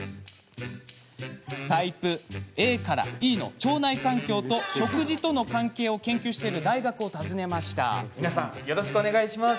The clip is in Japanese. タイプＡからＥの腸内環境と食事との関係を研究している大学を訪ねました皆さんよろしくお願いします。